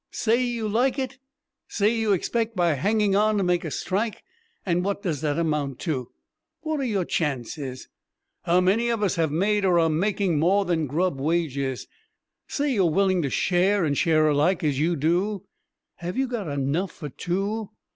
Say you like it? Say you expect by hanging on to make a strike and what does that amount to? What are your chances? How many of us have made, or are making, more than grub wages? Say you're willing to share and share alike as you do have you got enough for two?